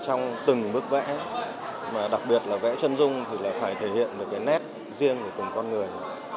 trân dung là một tác phẩm đặc biệt để truyền hình đặc biệt là vẽ trân dung thì phải thể hiện một nét riêng của cùng con người